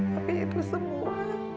tapi itu semua